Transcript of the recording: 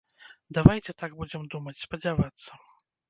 Давайце так будзем думаць, спадзявацца.